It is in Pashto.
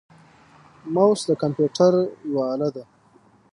موس د کمپیوټر یوه اله ده.